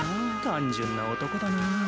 単純な男だなぁ。